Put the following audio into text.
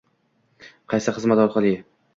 -Qaysi xizmat orqali?